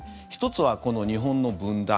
１つは日本の分断。